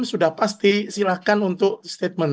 sudah pasti silahkan untuk statement